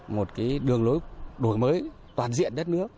một cái đường lối đổi mới toàn diện đất nước